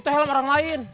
itu helm orang lain